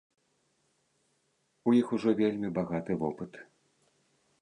У іх ужо вельмі багаты вопыт.